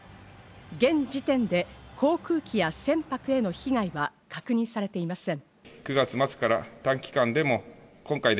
現時点で航空機や船舶への被害は確認されていません。